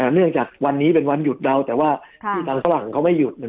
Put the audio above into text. เนื่องจากวันนี้เป็นวันหยุดเดาแต่ว่าที่ฟังเขาไม่หยุดนะครับ